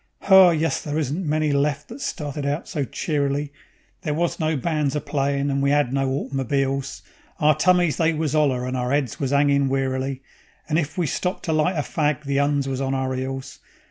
Ho yus, there isn't many left that started out so cheerily; There was no bands a playin' and we 'ad no autmobeels. Our tummies they was 'oller, and our 'eads was 'angin' wearily, And if we stopped to light a fag the 'Uns was on our 'eels.